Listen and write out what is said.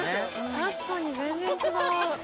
確かに全然違う。